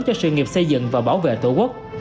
cho sự nghiệp xây dựng và bảo vệ tổ quốc